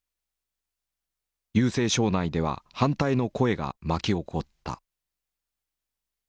郵政省内では反対の声が巻き起こった。